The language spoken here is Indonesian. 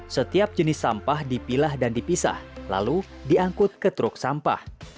setiap jenis sampah dipilah dan dipisah lalu diangkut ke truk sampah